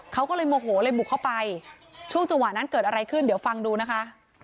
เขาก็เลยโมโหเลยบุกเข้าไปช่วงจังหวะนั้นเกิดอะไรขึ้นเดี๋ยวฟังดูนะคะ